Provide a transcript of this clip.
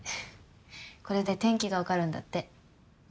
これで天気がわかるんだって。